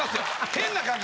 変な感じ。